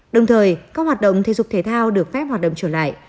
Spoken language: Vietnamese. đồng thời các hoạt động thể dục thể thao được phép hoạt động trở lại